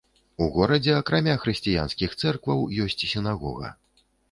У горадзе, акрамя хрысціянскіх цэркваў, ёсць сінагога.